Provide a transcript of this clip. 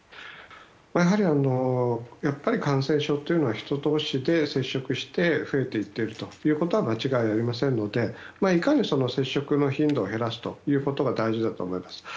やはり、感染症というのは人同士で接触して増えていくということは間違いありませんのでいかに接触の頻度を減らすかということが大事だと思います。